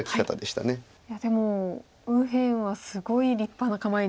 いやでも右辺はすごい立派な構えに。